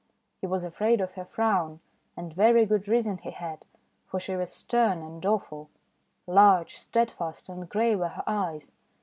He was afraid of her frown; and very good reason he had, for she was stern and awful. Large, steadfast, and grey were her eyes.